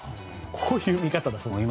こういう見方だそうです。